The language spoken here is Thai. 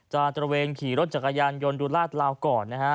จะจราเวณขี่รถจักรยานยนต์ดูลาดเหล่าก่อนนะฮะ